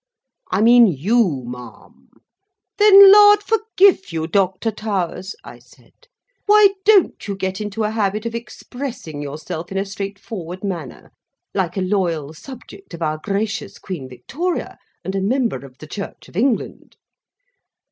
"I mean you, ma'am." "Then Lard forgive you, Doctor Towers," I said; "why don't you get into a habit of expressing yourself in a straightforward manner, like a loyal subject of our gracious Queen Victoria, and a member of the Church of England?"